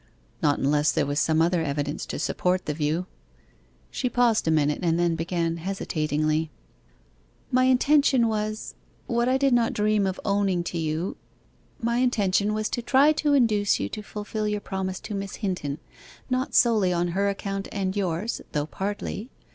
'Not unless there was some other evidence to support the view.' She paused a minute and then began hesitatingly 'My intention was what I did not dream of owning to you my intention was to try to induce you to fulfil your promise to Miss Hinton not solely on her account and yours (though partly).